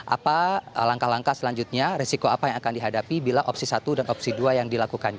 apa langkah langkah selanjutnya resiko apa yang akan dihadapi bila opsi satu dan opsi dua yang dilakukan